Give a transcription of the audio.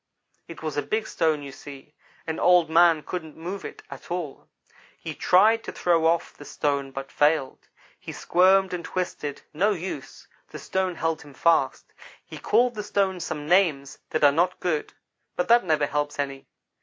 "It was a big stone, you see, and Old man couldn't move it at all. He tried to throw off the stone but failed. He squirmed and twisted no use the stone held him fast. He called the stone some names that are not good; but that never helps any.